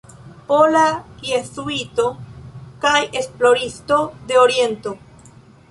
Pola jezuito kaj esploristo de Oriento.